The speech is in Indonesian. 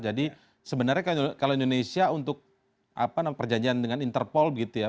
jadi sebenarnya kalau indonesia untuk perjanjian dengan interpol gitu ya